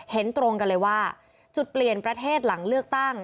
เห็นตรงกันเลยว่าจุดเปลี่ยนประเทศหลังเลือกตั้ง